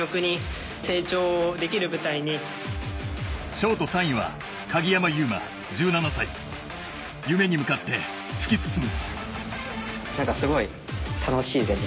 ショート３位は鍵山優真１７歳夢に向かって突き進む。